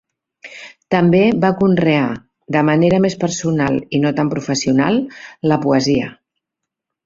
També va conrear, de manera més personal i no tant professional, la poesia.